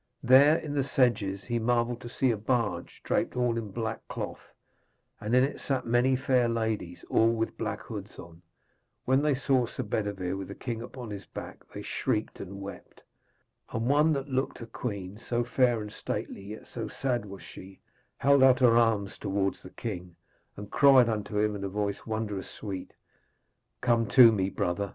There, in the sedges, he marvelled to see a barge draped all in black cloth, and in it sat many fair ladies, all with black hoods on. When they saw Sir Bedevere with the king upon his back, they shrieked and wept. And one that looked a queen, so fair and stately, yet so sad was she, held out her arms towards the king, and cried unto him in a voice wondrous sweet, 'Come to me, brother!'